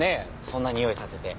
そんなにおいさせて。